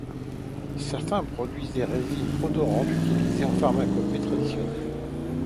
Certains produisent des résines odorantes utilisées en pharmacopée traditionnelle.